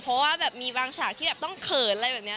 เพราะว่าแบบมีบางฉากที่แบบต้องเขินอะไรแบบนี้